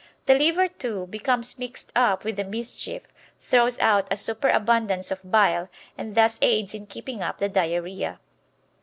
The liver; too, becomes mixed up with the mischief, throws out a superabundance of bile, and thus aids in keeping up the diarrhoea.